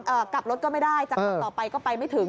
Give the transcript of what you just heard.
เอ่อกลับรถก็ไม่ได้เออจากต่อไปก็ไปไม่ถึง